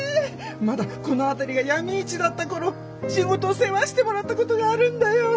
まだこの辺りが闇市だった頃仕事を世話してもらったことがあるんだよ。